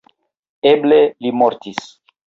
Eble li mortis.